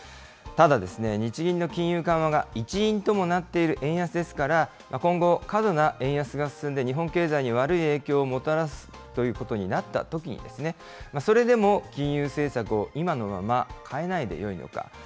ただ、日銀の金融緩和が一因ともなっている円安ですから、今後、過度な円安が進んで、日本経済に悪い影響をもたらすということになったときに、それでも金融政策を今のまま変えないでよいのか。